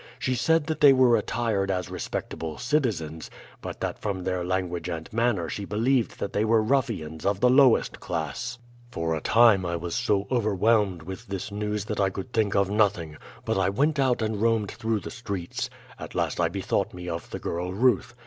She said that they were attired as respectable citizens, but that from their language and manner she believed that they were ruffians of the lowest class. "For a time I was so overwhelmed with this news that I could think of nothing, but went out and roamed through the streets. At last I bethought me of the girl Ruth.